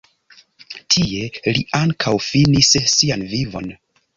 Tie li ankaŭ finis sian vivon.